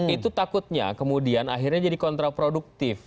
itu takutnya kemudian akhirnya jadi kontraproduktif